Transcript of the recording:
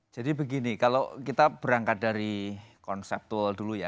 jadi begini kalau kita berangkat dari konsep tool dulu ya